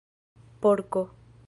porko